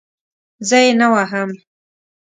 زه یې نه وهم.